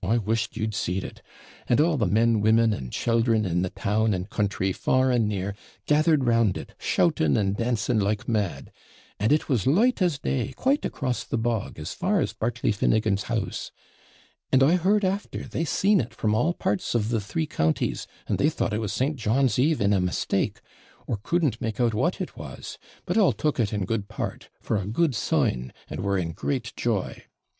I wished you'd seed it and all the men, women, and children in the town and country, far and near, gathered round it, shouting and dancing like mad! and it was light as day quite across the bog, as far as Bartley Finnigan's house. And I heard after, they seen it from all parts of the three counties, and they thought it was St. John's Eve in a mistake or couldn't make out what it was; but all took it in good part, for a good sign, and were in great joy.